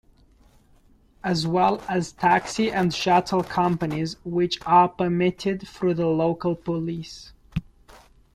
As well as taxi and shuttle companies which are permitted through the local police.